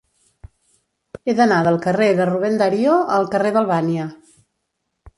He d'anar del carrer de Rubén Darío al carrer d'Albània.